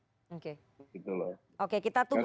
oke gitu loh oke kita tunggu